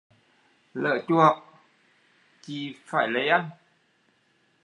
Lỡ choạc, chị phải lấy anh